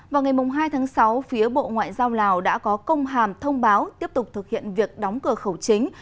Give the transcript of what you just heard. vào ngày hai tháng sáu phía bộ ngoại giao lào đã có công hàm thông báo tiếp tục thực hiện việc đóng cửa khẩu chính